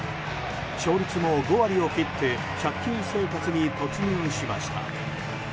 勝率も５割を切って借金生活に突入しました。